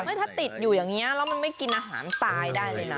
ถ้าติดอยู่อย่างนี้แล้วมันไม่กินอาหารตายได้เลยนะ